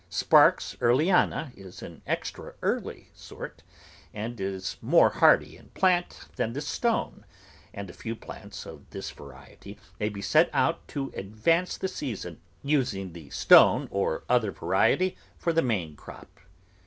Sparks Earliana is an extra early sort, and is more hardy in plant than the Stone, and a few plants of this variety may be set out to advance the season, using the Stone or other variety for the main crop.